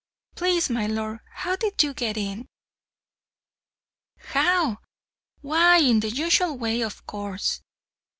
"Please, my lord! how did you get in?" "How! why in the usual way, of course!"